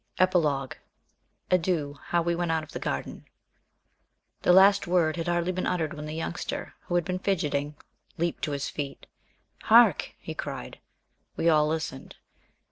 X EPILOGUE ADIEU HOW WE WENT OUT OF THE GARDEN The last word had hardly been uttered when the Youngster, who had been fidgeting, leaped to his feet. "Hark!" he cried. We all listened.